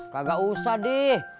kagak usah deh